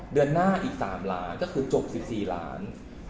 เดือนหน้าอีก๓ล้านก็คือจบ๑๔ล้าน